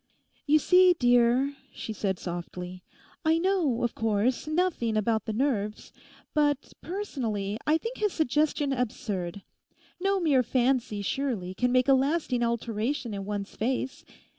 'You see, dear,' she said softly, 'I know, of course, nothing about the nerves; but personally, I think his suggestion absurd. No mere fancy, surely, can make a lasting alteration in one's face.